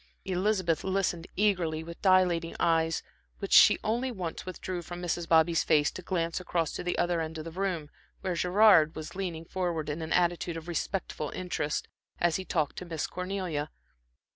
Elizabeth listened eagerly with dilating eyes, which she only once withdrew from Mrs. Bobby's face, to glance across to the other end of the room, where Mr. Gerard was leaning forward in an attitude of respectful interest, as he talked to Miss Cornelia.